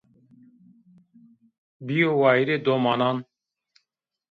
Bîyo wayîrê domanan